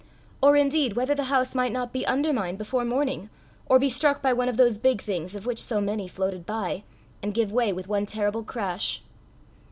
or indeed whether the house might not be undermined before morning, or be struck by one of those big things of which so many floated by, and give way with one terrible crash!